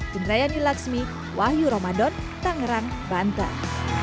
bin rayani laksmi wahyu ramadan tangerang banteng